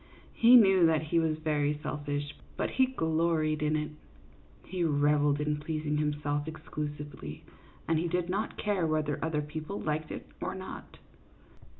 He knew that he was very selfish, but he gloried in it ; he revelled in pleasing himself exclusively, and he did not care whether other people liked it or not.